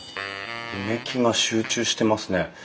埋木が集中してますね。